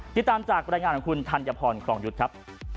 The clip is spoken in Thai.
ติดตามจากบรรยายงานของคุณธัญพรครองยุทธ์ครับ